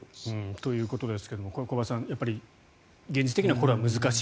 ということですけども小林さん、現実的にはこれは難しい。